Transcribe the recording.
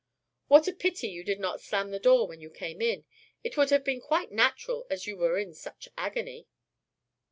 "What a pity you did not slam the door when you came in. It would have been quite natural as you were in such agony."